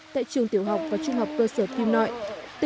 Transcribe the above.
tại trường tiểu học và trung học cơ sở kim nội